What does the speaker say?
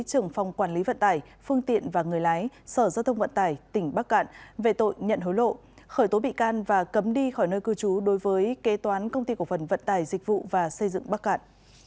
trưởng phòng quản lý vận tải phương tiện và người lái sở giao thông vận tải tỉnh bắc cạn về tội nhận hối lộ khởi tố bị can và cấm đi khỏi nơi cư trú đối với kế toán công ty cổ phần vận tải dịch vụ và xây dựng bắc cạn